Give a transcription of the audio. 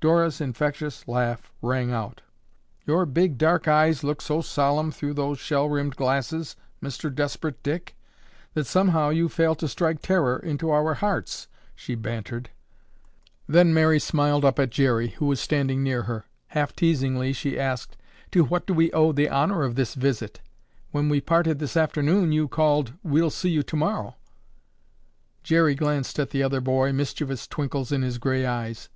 Dora's infectious laugh rang out. "Your big, dark eyes look so solemn through those shell rimmed glasses, Mr. Desperate Dick, that somehow you fail to strike terror into our hearts," she bantered. Then Mary smiled up at Jerry, who was standing near her. Half teasingly she asked, "To what do we owe the honor of this visit? When we parted this afternoon, you called 'we'll see you tomorrow.'" Jerry glanced at the other boy, mischievous twinkles in his gray eyes.